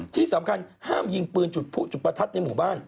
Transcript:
ที่สำคัญห้ามยิงปืนจุดผู้จุดประทัดในหมู่บ้าน